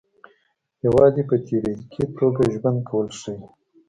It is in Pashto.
یوازې په تیوریکي توګه ژوند کول ښه وي.